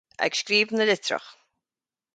Ag scríobh na litreach.